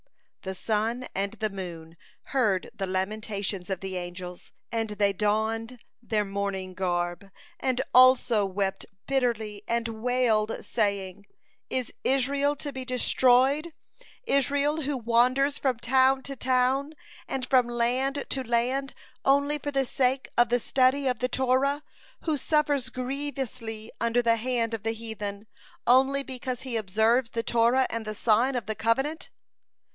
The sun and the moon heard the lamentations of the angels, and they donned their mourning garb and also wept bitterly and wailed, saying: "Is Israel to be destroyed, Israel who wanders from town to town, and from land to land, only for the sake of the study of the Torah; who suffers grievously under the hand of the heathen, only because he observes the Torah and the sign of the covenant?"